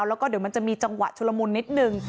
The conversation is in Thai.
แล้วก็เดี๋ยวมันจะมีจังหวะชุลมุนนิดนึง